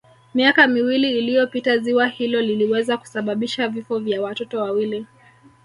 Miaka miwili iliyopita ziwa hilo liliweza kusababisha vifo vya watoto wawili